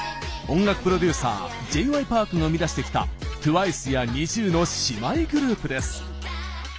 音楽プロデューサーＪ．Ｙ．Ｐａｒｋが生み出してきたＴＷＩＣＥやＮｉｚｉＵの姉妹グループです。